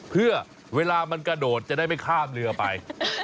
เพื่อเวลามันกระโดดจะได้ไม่ข้ามเรือไป